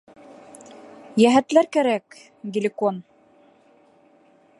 Йәһәтләр кәрәк, Геликон.